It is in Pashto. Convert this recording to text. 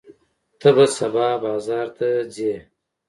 ته به سبا بازار ته ځې؟